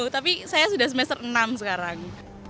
tapi saya sudah semester enam sekarang